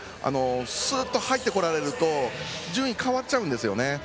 スーッと入ってこられると順位変わっちゃうんですよね。